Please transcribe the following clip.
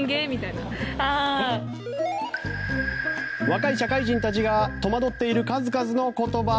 若い社会人たちが戸惑っている数々の言葉。